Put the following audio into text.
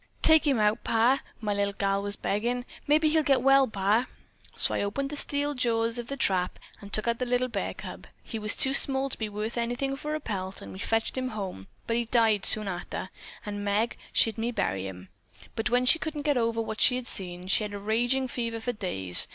"'Take him out, Pa,' my little gal was beggin'. 'Maybe he'll get well, Pa.' "So I opened the great steel jaws of that trap and took out the little cub bear. He was too small to be worth anything for a pelt, an' we fetched him home, but he died soon arter, and Meg, she had me bury him. But she couldn't get over what she had seen. She had a ragin' fever for days.